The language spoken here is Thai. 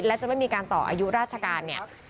และจะไม่มีการต่ออายุราชการเนี่ย